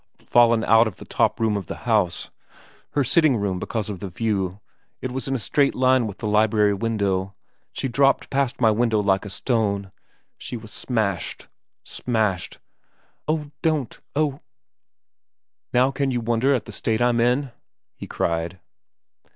' Fallen out of the top room of the house her sitting room because of the view it was in a straight line with the library window she dropped past my window like a stone she was smashed smashed ' 'Oh, don't oh '* Now can you wonder at the state I'm in ?' he cried.